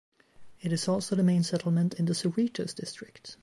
It is also the main settlement in the Zorritos District.